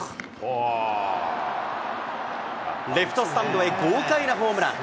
レフトスタンドへ豪快なホームラン。